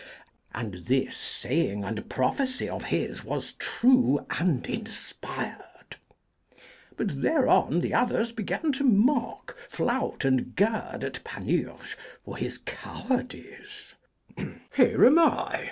and this saying and prophecy of his was true and inspired. But thereon the others began to mock, flout, and gird at Panurge for his cowardice. 'Here am I!'